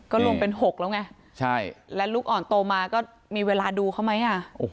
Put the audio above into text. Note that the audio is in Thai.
ก็รวมเป็น๖แล้วไงใช่และลูกอ่อนโตมาก็มีเวลาดูเขาไหมอ่ะ